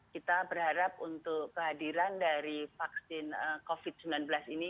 kita berharap untuk kehadiran dari vaksin covid sembilan belas ini